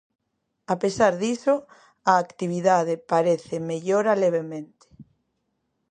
A pesar diso, a actividade parece mellora levemente.